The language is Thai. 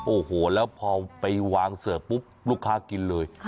โอ้โหแล้วพอไปวางเสิร์ฟปุ๊บลูกค้ากินเลย